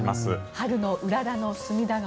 春のうららの隅田川。